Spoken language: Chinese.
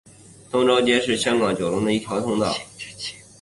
通州街是香港九龙的一条道路。